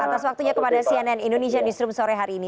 atas waktunya kepada cnn indonesia newsroom sore hari ini